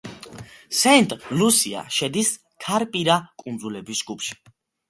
სენტ-ლუსია შედის ქარპირა კუნძულების ჯგუფში.